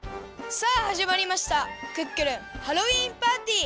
さあはじまりましたクックルンハロウィーンパーティー！